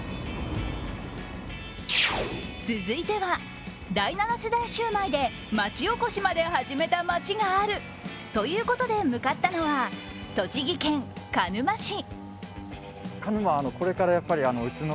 続いては第７世代シュウマイで町おこしまで始めた町があるということで向かったのは栃木県鹿沼市。